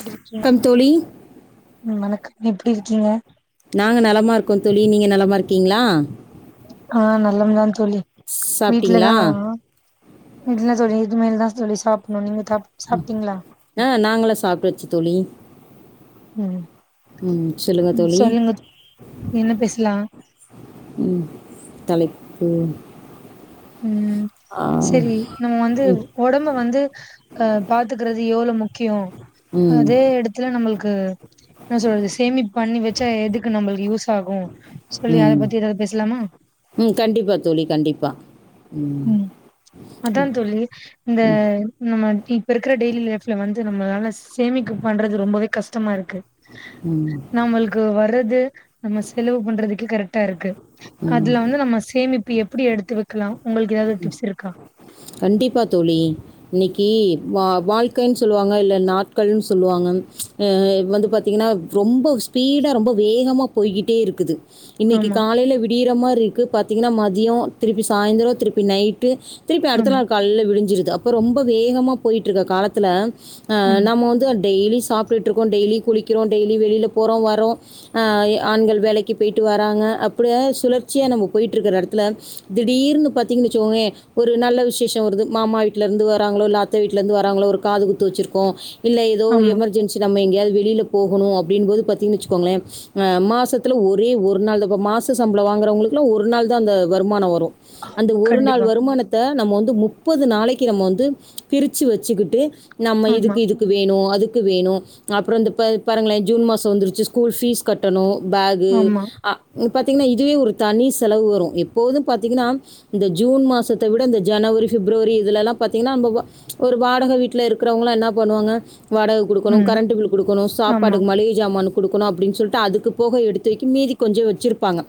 எப்டி இருக்கிங் வணக்கம் தோழி ம் வணக்கம் எப்டி இருக்கிங்க நாங்கள் நலமாக இருக்கோம் தோழி நீங்கள் நலமாக இருக்கீங்களா ஆஹ் நலம் தான் தோழி சாப்பிட்டீங்களா வீட்லதா வீட்ல தோழி இனிமேல் தான் தோழி சாப்புட்னு நீங்க சாப் சாப்ட்டீங்களா ஆஹ் நாங்களா சாப்டாச்சு தோழி சொல்லுங்கள் ம் தோழி சொல்லுங்க என்ன பேசலா ம் தலைப்பு ம் ஆ, சரி நம்ம வந்து ம் ஒடம்ப வந்து அ பாத்துக்கறது எவ்வளவு மு க்கியோ ம் அதே எடத்துல நம்மளுக்கு க என்ன சொல்றது சேமிப்பு பண்ணி வெச் சே எதுக்கு நம்ளுக்கு யூஸ் யூசாகோ சொல்லி அத ம் பத்தி எதாவது பேசலாமா ம் கண்டிப்பாக தோழி கண்டிப்பாக ம் அதான் தோழி இந்த ம் இந்த மாரி இப்ப இருக்குற டெய்லி லைஃப்ல வந்து நம்மளால சேமிக்க பண்றது ரொம்பவே கஷ்டமா இருக்கு ம் நாமள்க்கு வர்றது நம்ம செலவு பண்றதுக்கு கரெக்டா இருக்கு ம் அதுல வந்து நம்ம சேமிப்பு எப்படி எடுத்து வைக்கலா உங்களுக்கு ஏதாவது டிப்ஸ் இருக்கா கண்டிப்பா தோழி இன்னக்கி வா வாழ்க்கைன்னு சொல்லுவாங்க இல்ல நாட்கள்னு சொல்லுவாங்க வந்து பார்த்தீங்கன்னா ரொம்ப ஸ்பீடாக ரொம்ப வேகமா போய்கிட்டே இருக்குது இன்னிக்கு ஆமா காலைல விடீரமாரி பாத்தீங்கன்னா மதியோ திருப்பி சாய்ந்த்ரோ திருப்பி நைட்டு திருப்பி அடுத்த ஆமா நாள் காலைல விடிஞ்சிருது அப்பரொம்ப வேகமா போய்ட்ருக்க காலத்துல ஆ ம் நம்ம வந்து டெய்லி சாப்டுட்டு இருக்கோ டெய்லி குளிக்குறோ டெய்லி வெளில போறோ வரோ ஆ ஆண்கள் வேலைக்கு போயிட்டு வராங்க அப்படிய சுழற்சியா நம்ம போயிட்டு இருக்கிற எடத்துல திடீர்னு பாத்தீங்கன்னு வெச்சுக்கோயே ஒரு நல்ல விசேஷம் வருது மாமா வீட்டலேருந்து வராங்களோ இல்ல அத்த வீட்டலருந்து வராங்களோ ஒரு காது குத்து வெச்சுருக்கோ இல்ல எதோ ஆமா எமர்ஜென்சி நம்ம எங்யாவது வெளியில போகணு அப்டின்போது பாத்திங்கன்னு வெச்சுக்கோங்ளே அ மாசத்துல ஒரே ஒரு நாள் தா இப்போ மாச சம்பளோ வாங்கறவங்களுக்குலா ஒரு நாள் தா அந்த வருமானோ வரு அந்த ஆமா ஒரு நாள் கண்டிப்பா வருமானத் அ நம்ம வந்து முப்பது நாளைக்கி நம்ம வந்து பிரிச்சு வச்சுக்கிட்டு நம்ம ஆமா இதுக்கு இதுக்கு வேணு அதுக் ங்கு வேணு அப்புறோ இந்த ப்ப பாருங்களே ஜூன் மாசோ வந்துச்சு ஸ்கூல் பீஸ் கட்டணு பேகு ஆமா அ ம் பாத்தீங்ன்னா இதுவே ஒரு தனி செலவு வரு எப்போது பாத்தீங்ன்னா இந்த ஜூன் மாசத் த்தவுட இந்த ஜனவரி பிப்ரவரி இதுலெல்லா பாத்தீங்ன்னா நம்ப வ்வ ஒரு வாடக வீட்ல இருக்கறவங்கலா என்னா பண்ணுவாங்க வாடக குடுக்கணு ம் கரண்ட் பில் குடுக்கணு ஆமா சாப்பாட்டுக்கு மளிகை ஜாமானுக் குடுக்கணு அப்டின் சொல்ட்டு அதுக்கு போக எடுத்து வைக்கு மீதி கொஞ்சோ வெச்சுருப்பாங்க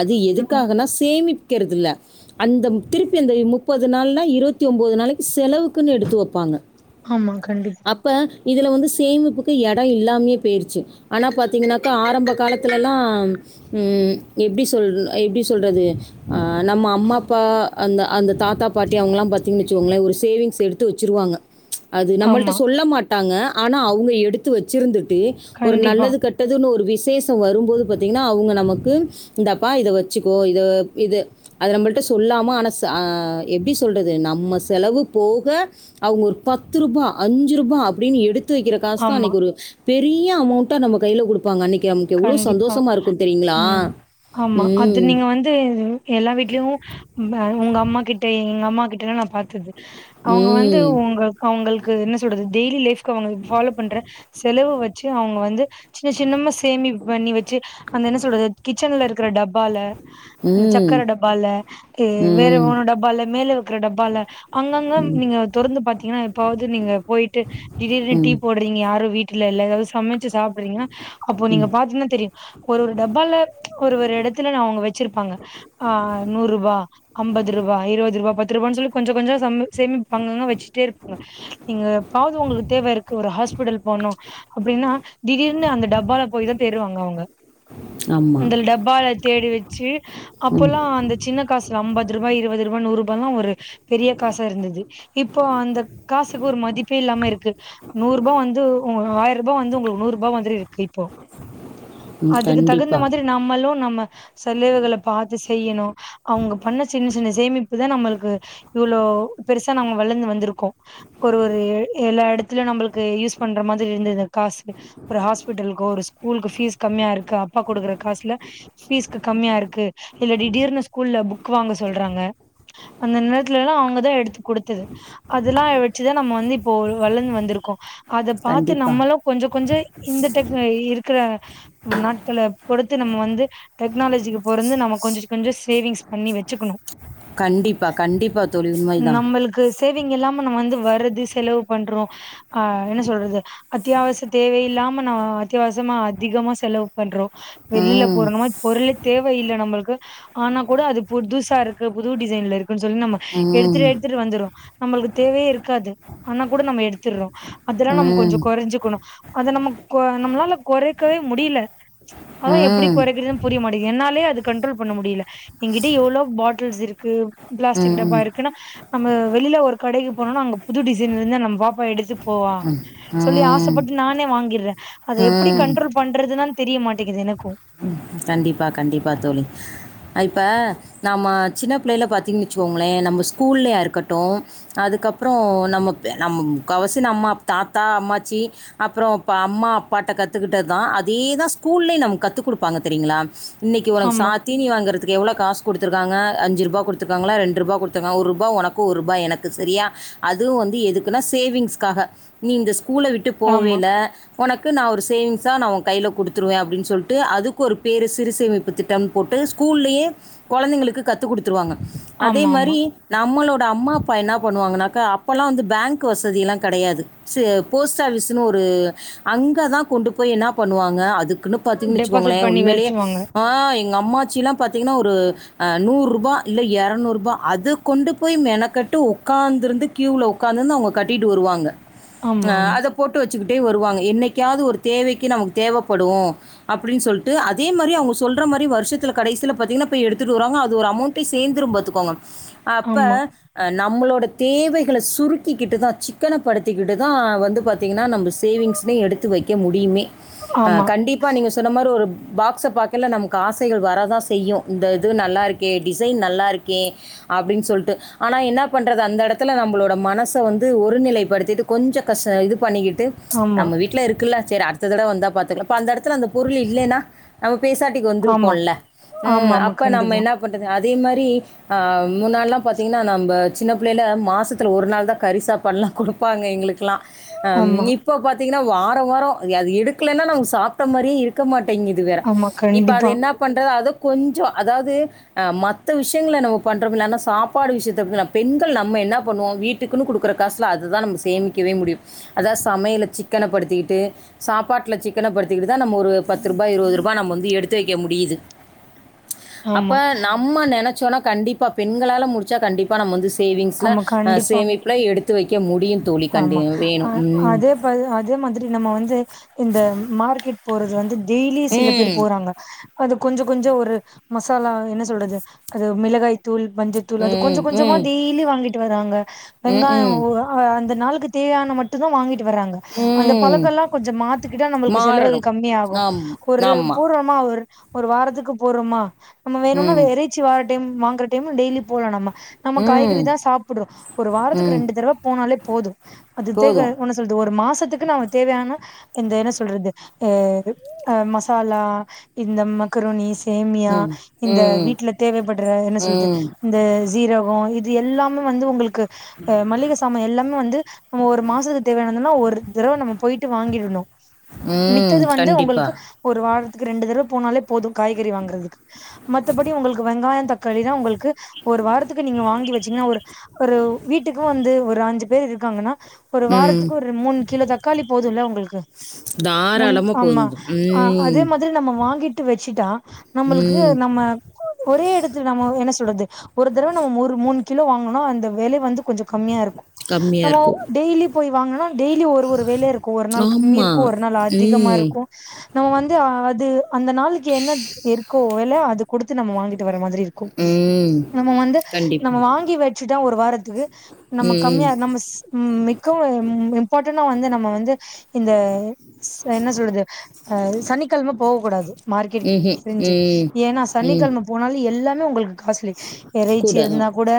அது ம் எதுக்காகனா சேமிப் வைக்கிறதில்ல அந்த திருப் பி அந்த முப்பது நாள்ல இருபத்தி ஒம்போது நாளைக்கி செலவுக்குன்னு எடுத்து வப்பாங்க ஆமா கண்டிப்பா இதுல வந்து சேமிப்புக்கு எடொ இல்லாமே போயிடுச்சு ஆனா பாத்தீங்கனாக்கா ஆரம்ப காலத்துலலா ம் எப்டி சொல் எப்டி சொல்றது நம்ம அம்மா அப்பா அந்த அந்த தாத்தா பாட்டி அவுங்கலாம் பாத்திங்கன்னு வெச்சுங்கோங்ளேன் ஒரு சேவிங்ஸ் எடுத்து வெச்சுருவாங்க அது நம்மள்ட ஆமா சொல்ல மாட் டாங்க ஆனா அவங்க எடுத்து வச்சிருந்தது தே ஒரு கண்டிப்பா நல்லது கெட்டதுன்னு ஒரு விச உத்சேசோ வரும் போது பத்தீங்கன்னா அவுங்க நமக்கு இந்தப்பா இத வச்சுக்கோ இத இத அத நம்மள்ட்ட சொல்லாம ஆனா சா எப்டி சொல்றது நம்ம செலவு போக அவுங்க ஒரு பத்ரூபா அஞ்ச்ரூபா அப்டின்னு எடுத் எடுத்து வெக்குற காசு தா ஆமா அன்னிக்கு ஒரு பெரிய அமௌண்ட்டா நம்ம கைல குடுப்பாங்க அன்னிக் கண்டிப்பா ம் ஆமா அது ம் நீங்க வந்து எல்லா வீட்லயு உங்க அம்மா கிட்ட எங்க அம்மா கிட்ட நா பாத்தது அவுங்க வந்து ம் உங்கள்கு அவுங்களுக்கு என்ன சொல்றது டெய்லி லைஃப் உங்கள்கு ஃபாலோ பண்ற செலவு வெச் சு அவுங்க வந்து சின்ன சின்னமா சேமிப்பு பண்ணி வச்சு அந்த என்ன சொல்றது கிச்சன்ல இருக்கிற டப்பால அந்த ம் சக்கரை டப்பால கே வேற ம் மூணு டப்பால மேல வக்கிற டப்பால அங்கங்க ம் நீங்க தொறந்து பாத்தீங்கன்னா எப்பவாது நீங்க போயிட்டு திடீர்னு டீ ம் போடுறீங்க யாரும் வீட் இல்ல இல்ல எதாவது சமக் சாப்றீங்கன்னா அப்போ நீங்க ம் பாத்தீங்கன்னா தெரியு ஒரு ஒரு டப்பால ஒரு ஒரு எடத்துல அவங்க வச்சிருப்பாங்க ஆஹ் நூறு ரூவா ஐம்பது ரூவா இருபது பத்து ரூபா பத்து ரூபா சொல்லி கொஞ்ச கொஞ்சோ சம் சேமிப்பு அங்கங்க வச்சிட்டே இருப்பாங்க நீங்க எப்பவாவது உங்களுக்கு தேவை இருக்கு ஒரு ஹாஸ்பிடல் போனும் அப்டின்னா திடீர்னு அந்த டப்பலா போய் தா தேடுவாங்க அவங்க ஆமாம் அந்த டப்பால தேடி வச்சு ம் அப்பல்லா அந்த சின்ன காசுல ஐம்பது ரூபா இருபது ரூபா நூறு இப்பல்லா ஒரு பெரிய காசா இருந்தது இப்போ அந்த காசுக்கு ஒரு மதிப்பே இல்லாம இருக்கு நூறு ரூபா வந்து உங்க ஆயிர ரூபா வந்து உங்களுக்கு நூறு ரூபா மாதிரி இருக்கு இப்போ ம் அதுக்கு தகுந்த கண்டிப்பாக மாதிரி நம்மளு நம்ம செலவுகளை பாத்து செய்யணு அவங்க பண்ண சின்ன சின்ன சேமிப்புதா நம்மளுக்கு இவ்ளோ பெருசா நம்ம வளந்து வந்திருக்கோ ஒரு ஒரு எல்லா எடத்துலும் நம்மளுக்கு யூஸ் பண்ற மாதிரி இருந்தது காசு ஒரு ஹாஸ்பி பிட்டல்கோ ஒரு ஸ்கூல்கு பீஸ் கம்மியா இருக்கு அப்பா குடுக்கற காசுல பீஸ்கு கம்மியா இருக்கு இல்ல திடீர்னு ஸ்கூல்ல புக் வாங்க சொல்றாங்க அந்த நேரத்துலல்லா அவங்கதா எடுத்து குடுத்தது அதெல்லா வச்சுதா நம்ம இப்போ வளந்து வந்திருக்கோ அத பாத்து கண்டிப்பாக நம்மளு கொஞ்ச கொஞ்சோ இந்த டெக் இருக்கிற நாட்கள பொறுத்து நம்ம வந்து டெக்னாலஜிக்கு பொறந்து நம்ம கொஞ்ச கொஞ்ச சேவிங்ஸ் பண்ணி வச்சுக்கணு கண்டிப்பாக கண்டிப்பாக தொழில் உண்மைதான் நம்மளுக்கு சேவிங் இல்லாம நம்ம ந்து வருது செலவு பண்றோ ஆ என்ன சொல்றது அத்தியாவசிய தேவையில்லாம் நம்ம அத்தியவசமா அதிகமா செலவு பண்றோ வெளியில ம் போறணுமா பொருளே தேவையில்ல நம்மளுக்கு ஆனா கூட அது புதுசா இருக்கு புது டிசைன்ல இருக் அப்பனு சொல்லி நம்ம ம் எடுத்துட்டு எடுத்துட்டு வந்துற்றோ நம்மளுக்கு தேவையே இருக்காது ஆனா கூட நம்ம எடுத்துடுறோ அதெல்லா நம்ம கொஞ்ச ம் கொறச்சிக்கணு அத நம்ம நம்மளால கொறைக்கவே முடியல அதா எப்டி ம் கொறைக்றதுன்னு புரிய மாட்டது என்னாலேயே அது கண்ட்ரோல் பண்ண முடியல என்கிட்ட எவ்ளோ பா டில்ஸ் இருக்கு ம் பிளாஸ்டிக் டப்பா ம் இருக்குன்னா நம்ம வெளியில ஒரு கடைக்கு போண்ணுன அங்க புது டிசைன் இருந்தா நம்ம பாப்பா எடுத்து போவா சொல்லி ம் ஆசைப்பட்டு நானே வாங்கிறே அத எப்டி கண்ட்ரோல் பண்றதுன்னா தெரிய மாட்டேங்குது எனக்கு ம் கண்டிப்பா கண்டிப்பா தோழி இப்ப நம்ம சின்ன பிள்ளைல பாத்தீங்க வெச்சுக்கோங்ளே நம்ம ஸ்கூல்லயா இருக்கட்டு அதுக்கப்புரொ நம்ம நம் முக்காவாசி நம்ம தாத்தா அம்மாச்சி அப்ரோ பா அம்மா அப்பாட்ட கத்து க்கிட்டடது தா அதே தா ஸ்கூல்லே நம்ம கத் த்து குடுப்பாங்க தெரியுங்ளா இன்னைக்கி உனக்கு சா ஆமா தீனி வாங்கறதுக்கு எவ்ளோ காசு குடுத்துருக்காங்க அஞ்சு ருபா குடுத்துக்காங்ளா ரெண்டு ருபா குடுத்துக்காங்க ஒரு ருபா உனக்கு ஒரு ருபா எனக்கு செரியா அது வந்து எதுக்குன்னா சேவிங்ஸ்க்காக நீ இந்த ஸ் கூல விட்டு ஆமா போவைல உனக்கு நா ஒரு சேவிங்ஸா நான் கைல குடுத்துருவே அப்டின்னு சொல்ட்டு டு அதுக்கு ஒரு பேரு சிறுசேமிப்பு திட்டம் போட்டு ஸ்கூல்லயே கொழந்தைங்களுக்கு கத்து குடுத்துருவாங்க அதே ஆமா ஆமா மாரி நம்மளோ த அம்மா அப்பா என்ன பண்ணுவாங்கனாக்கா அப்பல்லா பேங்க் வசதி எல்லா கெடையாது ஸ் போஸ்ட் ஆபீஸ் னு ஒரு அங்கதா கொண்டு போய் என்ன பண்ணுவாங்க அதுக்கு பாத்திங்னு வெச்சுக்கோங்ளே டெபாசிட் பண்ணி உண்மையிலே வச்சுருவாங்க ஆ எங்க அம்மாச்சிலா பா த்தீங்கன்னா ஒரு அஹ் நூறு ருபா இல்ல எரநூறு ருபா அது கொண்டு போய் மெனக்கட்டு ஒக்காந்துருந்து க்யூல ஒக்காந்துருந்து அவுங்க கட்டிட்டு வருவாங்க ஆமா ஆ ஆமா அத போட்டு வெ வெச்சுக்கிட்டே வருவாங்க என்னைக்காவது ஒரு தேவைக்கு நமக்கு தேவப்படோ அப்டின்னு சொல்டு அதே மாரி அவங்க சொல்ற மாரி வர்ஷத்துல கடைசில பாத்தீங்கன்னா போய் எடுத்துட்டு வராங்க அது ஒரு அமௌண்ட சேந்துரு பாத்துக்கோங்க அப்ப ஆமா நம்மளோ தேவைகள சுருக்கிக்கிட்டு தா சிக்கனப்படுத்திக்கிட்டு தா வந்து பாத்தீங் னா நம்ம சேவிங்ஸ்னே எடுத்து வெக்க முடியுமே ஆமா கண்டிப் சொன்ன மாரி ஒரு பாக்ஸ பாக்கல நமக்கு ஆசைகள் வரதா செய்யு இந்த இது நல்லாருக்கே டிசைன் நல்லாருக்கே அப்டின்னு சொல்டு ஆனா என்னா பண்றது அந்த எடத்துல நம்பளோட மனச வந்து ஒருநிலைப்படுத்திட்டு கொஞ்சோ கஷ் இது பண்ணிக்கிட் டு ஆமா நம்ம வீட்ல இருக்குல்ல சேர் அடுத்ததடவ வந்தா பாத்துக்லா அப்ப அந்த எடத் துல அந்த பொருள் இல்லன்னா நமக் பேசாட்டிக்கு ஆமா வந்துருப்போல்ல ஆமா ம் ஆமா அப்ப நம்ம கண்டிப்பா என்னா பண்றது அது அதே மாரி முன்னால்லா பாத்திங்ன்னா நம்ப சின்ன புள்ளைல மாசாத்ல ஒரு நாள் தா கரி சாப்பாட்லா குடுப்பாங்க எங்களுக்குலா ம் ஆமா இப்போ பாத்தீங் வாரோ வாரோ அது எடுக்கலன்னா நாங்க சாப் ட மாரியே இருக்க மாட் ட்டேங்குது வேற ஆமா இப்ப அது கண்டிப்பா என்னா பண்றது அது கொஞ்சோ அதாவது மத்த விஷயங்கள நம்ம பண்றம்ல ஆனா சாப்பாடு விஷயத்த எப்டி பெண்கள் நம்ம என்னா பண்ணுவோ வீட்டுக்குன்னு குடுக்குற காசுல தா நம்ம சேமிக்கவே முடியு அதா சமையல சிக்கனப்படுத்திக்கிட்டு சாப்பாட்ல சிக்கனப்படுத் தா நம்ம ஒரு பத்ருபா இருவதுருபா நம்ம வந்து எடுத்து வெக்க முடியுது அப்ப ஆமா நம்ம நென சோனா கண்டிப்பா பெண்களால முடிச்சா கண்டிப்பா நம்ம வந்து சே சேவிங்ஸ்ல ஆமா கண்டிப்பா சேமிப்புல எடுத் வெக்க முடியும் தோழி. கண்டி ஆமா அ வேணும். ம். அதே அதே மாதிரி நம்ம வந்து இந்த மார்க்கெட் போறது வந்து டெய்லி சில பேர் ம். போறாங்க அது கொஞ்சோ கொஞ்சோ ஒரு மசாலா என்ன சொல்றது அது மிளகாய் தூள் மஞ்சத்தூள் அது கொஞ்சோ ம். கொஞ்சமா ம். டெய்லி வாங்கிட்டு வராங்க வெங்காயம் ம்ஹ்ம். ம். அந்த நாளுக்குக்தேவையான மட்டும தா வாங்கிட்டு வர்றாங்க அந்த ம் பழக்கெல்லா கொஞ்ச மாத்திக்கிட்டா நம்மளுக்கு செலவுகள் மாறணும். கம்மியாகு ஆம். ஒரு ஆமா. பூர்வமா ஒரு ஒரு வாரத்துக்கு போறோமா நம்ம வேணும்னா ம். இறச்சி வார டைம் வாங்குற டைம் டெய்லி போலா நம்ம நம்ம ம். காய்கறி தா சாப்பிடறோ ஒரு வாரத்துக்கு ம். ரெண்டு தடவ போனாலே போதும் அது தேவ போதும். ஒன்னு சொல்லுது ஒரு மாசத்துக்கு நமக்குதேவையான இந்த என்ன சொல்றது மசாலா இந்த மக்ருனி சேமியா ம். இந்த ம். வீட்டுல தேவைப்படுற என்ன சொல்றது ம். இந்த சீரகம் இது எல்லாமே வந்து உங்களுக்கு மளிகசாம எல்லாம் வந்து நம்ம ஒரு மாசத்துக்கு தேவையானதுன்னா ஒரு தடவ நம்ம போயிட்டு வாங்கிடணும் ம். மித்தது வந்து கண்டிப்பா. உங்களுக்கு ஒரு வார ரெண்டு தடவ போனாலே போதும் காய்கறி வாங்குறதுக்கு மத்தபடி உங்களுக்கு வெங்காயம் த க்காளி தா உங்களுக்கு ஒரு வாரத்துக்கு நீங்க வாங்கி வச்சீங்கன்னா ஒரு ஒரு வீட்டுக்கு வந்து ஒரு அஞ்சு பேர் இருக்காங்கனா ஒரு ம். வாரத்துக்கு ஒரு மூணு கிலோ தக்காளி போதும்ல்ல உங்களுக்கு மூன் தாராளமா ஆமா போதும். ம். அதே மாதிரி நம்ம வாங்கிட்டு ட்டு வச்சிட்டா நம்மளுக்கு ம். நம்ம ஒரே இடத்து நம்ம என்ன சொல்றது ஒரு தடவ நம்ம ஒரு மூணு கிலோ வாங்குனோம்னா அந்த விலை வந்து கொஞ்சோ கம்மியா இருக்கு கம்மியா நம்ம இருக்கும். டேய்லி போய் வாங்கன்னா டெய்லி ஒரு ஒரு வேலை இருக்கும் ஒரு நாள் கம்மி ஆமா. இருக்கும் ஒரு நாள் அதிகமா ம். இருக்கும் நம்ம வந்து அது அந்த நாளைக்கு என்ன இருக்கோ ல அது குடுத்து நம்ம வாங்கிட்டு வர் மாதிரி இருக்கு ம். நம்ம வந்து கண்டிப்பா. நம்ம வாங்கி வச்சுட்டா ஒரு வாரத்துக்கு நம்ம கம்மியா நம்மஸ் ம் மிக்க இம்பாட்டனா வந்து நம்ம வந்து இந்த ஸ் என்ன சொல்றது அஹ் சனிக்கெழம போகக்கூடாது மார்க்கெட் ம்ஹ்ம். செஞ்சு ம். ஏன்னா ம். சனிக்கெழம போனாலு எல்லா இன்ன உங்களுக்கு காஸ்லி இறைச்சி கூட தான். இருந்தா கூட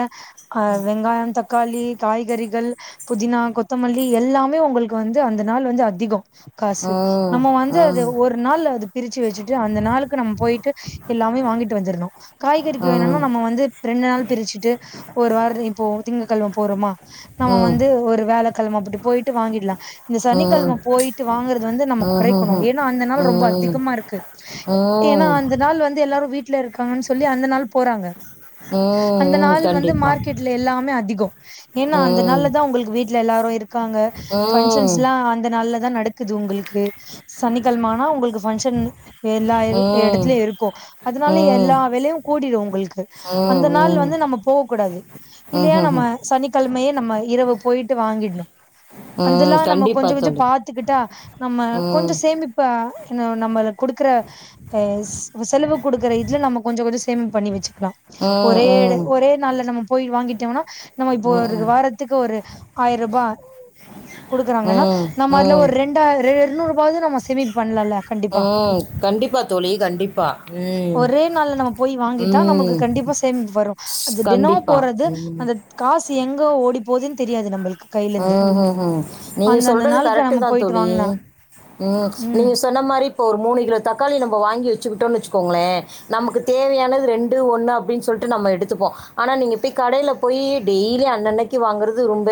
ஆங் வெங்காய தக் காளி காய்கறிகள் புதினா கொத்தமல்லி எல்லாமே உங்களுக்கு வந்து அந்த நாள் வந்து அதிகொ காசு ஆ, நம்ம வந்து ஆ, அது ஒரு நாள் அது பிரிச்சு வச்சுட்டு அந்த நாளுக்கு நம்ம போயிட்டு எல்லாமே வாங்கிட்டு வந்திர்ணு காய்கறிக்கு ஆ, வேணுனா நம்ம வந்து ரெண்டு நாள் பிரிச்சுட்டு ஒரு வார இப்போ திங்க கெழம போறோமா நம்ம ஆ, வந்து ஒரு வேலத் இப்ப நம்ம அப்படி போயிட்டு வாங்கிட்லா இந்த ஆ, சனிக்கெழம போயிட்டு வாங்குறது வந்து நம்ம கொறைக்கணு ஆஹஹம். ஏன்னா அந்த நாள் ரொம்ப ம். ம். அதிகமா இருக்கு ஏன்னா ம், அந்த நாள் வந்து எல்லாரு வீட் வீட்ல இருக் கம்மிங் சொல்லி அந்த நாள் போறாங்க அந்த ம். நாள் வந்து கண்டிப்பா. மார்க்கெட்ல எல்லாமே அதிகொ ஏன்னா அந்த ம். நல்லதா உங்களுக்கு வீட் வீட்ல எல்லாரும் இருக் இருக்காங்க ம். ம். ஃபங்க்ஷன்லா அந்த நாள்ல அதுதா நடக்குது உங்களுக் க்கு சனிக்கிழம ஆனா உங்களுக்கு பங்க்ஷன் எல்லா ம். எடத்துலயு இருக்கு அதுனால ம், எல்லா வேலையு கூடிடு உங்களுக்கு அந்த நாள் ம். வந்து நம்ம போகக்க கூடாது இல்லையா நம்ம ம்ஹ்ஹ்ம். சனிக்கிழமையே இரவு போயிட்டு வாங்கிட்னு அந்தெல்லா ம். நம்ம கண்டிப்பா கொஞ்சோ கொஞ்சோ தோழி. பாத்துக்கிட்டா நம்ம கொஞ்சோ ம். சேமிப்ப ன்னு நம்மளுக் குடுக்கற அ செலவு குடுக்குற இதுல நம்ம கொஞ்சோ கொஞ்சோ சேமி பண்ணி வச்சு லாம் ம், ஒரே எட ம். ஒரே நாள்ல நம்ம போய் வாங்கிட்டம்னா நம்ம இப்போ ஒரு ம். வாரத் த்துக்கு ஒரு ஆயிர் ரூபாய குடுக்குறாங்கன்னா ம் நம்ம அல ம் ஒரு ரெண்டாயிர ரெண் எர்நூறுபால நம்ம சேமிப்பு பண்லால உம் கண்டிப்பா தோழி கண்டிப்பா ம் ஒரே நாள்ல நம்ம போய் வாங்கிட்டா ம் நம்மளுக்கு கண்டிப்பா சேமிப்பு வரும் அது டினோ கண்டிப்பா போறது ம் அந்த காசு எங்கோ போதுன் தெரியாது நம்மளுக்கு கையில இருந்து உம் உம் நீங்க அந்தந்த சொல்றது நாளுக்கு கரெக்ட் நம்ம தா போயிட்டு தோழி வாங்கனா உம் ம் நீங்க சொன்ன மாரி இப்ப ஒரு மூணு கிலோ தக்காளி நம்ம வாங்கி வச்சுக்கிட்டோம்னுு வச்சுக்கோங்களே நமக்கு தேவையானது ரெண்டு ஒண்ணு அப்படின்னு சொல்லிட்டு நம்ம எடுத்துப்போம் ஆனா நீங்க போய் கடையில போய் டெய்லி அன்னன்னைக்கு வாங்கறது ரொம்ப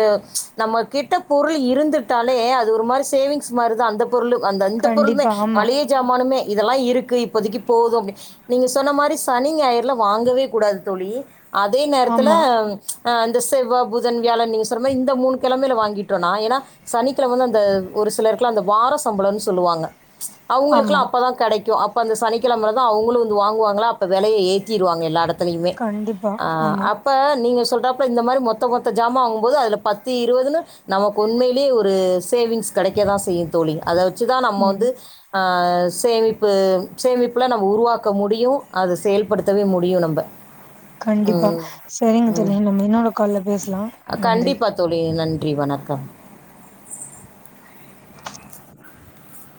நம்ம கிட்ட பொருள் இருந்துட்டாலே அது ஒரு மாதிரி சேவிங்ஸ் மாதிரி தா அந்த பொருளும் அந்த இந்த பொருளுமே கண்டிப்பா ஆமா மளிகா ஜாமானுமே இதெல்லா இருக்கு இப்போதைக்கு போது அப்ப நீங்க சொன்ன மாதிரி சனி ஞாயறு எல்லா வாங்கவே கூடாது தோழி அதே நேரத்துல ஆமா அ அந்த செவ்வ புதன் வியாழன் நீங்க சொல்ற இந்த மூணு கிழமையில வாங்கிட்டோம்னா ஏன்னா சனிக்கிழமை வந்து அந்த ஒரு சிலருக்குல அந்த வார சம்பளம்னு சொல்லுவாங்க ஆமா அவங்களுக்குல்லாம் அப்பதான் கிடைக்கும் அந்த சனிக்கிழமை தான் அவங்களும் வந்து வாங்குவாங்களா அப்ப விலைய ஏற்றிவாங்க எல்லாரும் கண்டிப்பா [unintelligible] ஆமா அப்ப நீங்க சொன்னாப்லா இந்த மாரி மொத்த மொத்த ஜாமான் வாங்கும்போது அதுல பத் [unintelligible] நமக்கு உண்மையிலயே ஒரு சேவிங்ஸ் கிடைக்கதா செய்யும் தோழி அதாவது வச்சதா நம்ம ம் வந்து அ சேமிப்பு சேமிப்பலாம் நம்ம உருவாக்க முடியும் அதை செயல்படுத்தவே முடியும் நம்ம கண்டிப்பா ம் சரிங்க ம் தோழி நம்ம இன்னோட கால்ல பேசலாம் நன்றி கண்டிப்பா தோழி நன்றி வணக்கம்